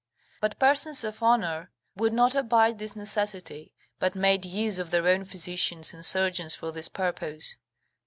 But persons of honour would not abide this necessity, but made use of their own physicians and surgeons for this purpose.